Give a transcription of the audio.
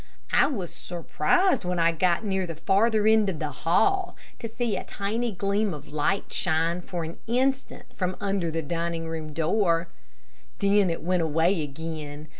I was surprised when I got near the farther end of the hall, to see a tiny gleam of light shine for an instant from under the dining room door. Then it went away again.